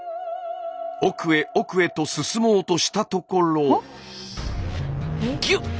奥へ奥へと進もうとしたところ。